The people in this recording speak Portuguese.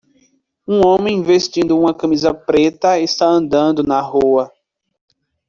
Um homem vestindo uma camisa preta está andando na rua.